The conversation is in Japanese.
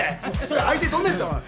それ相手どんなやつだおい